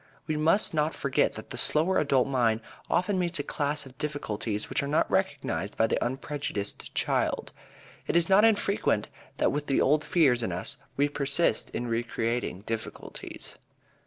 We must not forget that the slower adult mind often meets a class of difficulties which are not recognized by the unprejudiced child. It is not infrequent that with the old fears in us we persist in recreating difficulties.